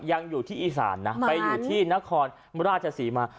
อยู่ที่อีสานนะไปอยู่ที่นครราชศรีมา